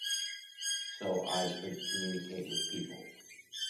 So I could communicate with people.